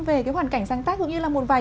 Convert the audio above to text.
về cái hoàn cảnh sáng tác cũng như là một vài